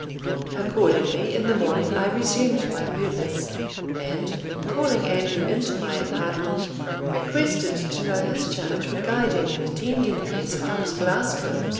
Accordingly in the morning I resumed my purpose, and calling Andrew into my apartment, requested to know his charge for guiding and attending me as far as Glasgow.